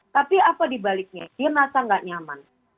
tapi apa di baliknya dia merasa nggak nyaman